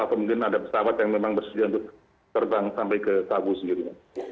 atau mungkin ada pesawat yang memang bersedia untuk terbang sampai ke sabu sendiri